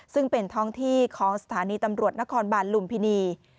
ซึ่งเป็นท้องที่ของสถานีตำรวจนครบาลลุมพินี